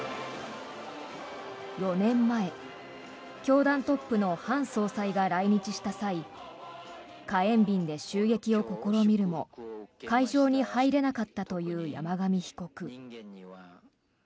５年前、教団トップのハン総裁が来日した際火炎瓶で襲撃を試みるも会場に入れなかったという山上被告。